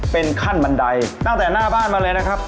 เป็นขั้นบันไดตั้งแต่หน้าบ้านมาเลยนะครับ